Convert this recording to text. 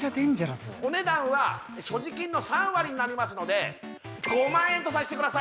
お値段は所持金の３割になりますので５万円とさしてください